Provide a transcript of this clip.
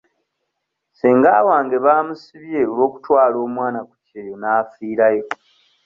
Ssenga wange baamusibye olw'okutwala omwana ku kyeyo n'afiirayo.